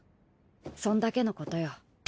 そんだけのことよ。